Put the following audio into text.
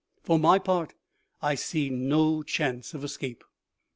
For my part, I see no chance of escape.